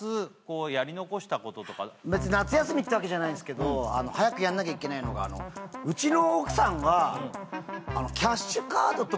別に夏休みってわけじゃないんですけど早くやんなきゃいけないのがほううんえっ？